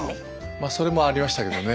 まそれもありましたけどね。